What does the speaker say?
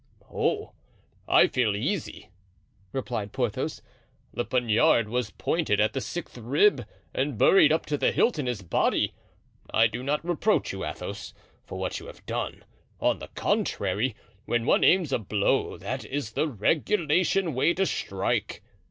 "Oh! I feel easy," replied Porthos. "The poniard was pointed at the sixth rib and buried up to the hilt in his body. I do not reproach you, Athos, for what you have done. On the contrary, when one aims a blow that is the regulation way to strike.